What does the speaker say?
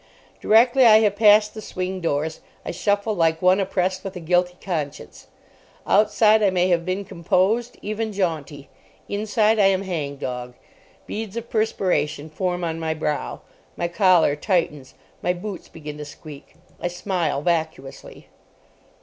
Directly I have passed the swing doors I shuffle like one oppressed with a guilty conscience. Outside I may have been composed, even jaunty. Inside I am hangdog. Beads of perspiration form on my brow. My collar tightens. My boots begin to squeak. I smile vacuously.